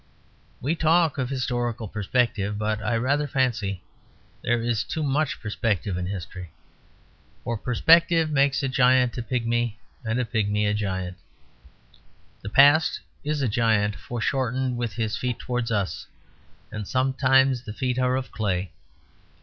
We talk of historical perspective, but I rather fancy there is too much perspective in history; for perspective makes a giant a pigmy and a pigmy a giant. The past is a giant foreshortened with his feet towards us; and sometimes the feet are of clay.